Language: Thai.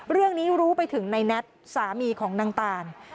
เรื่องนี้รู้ไปถึงในแน็ตสามีของนางตาน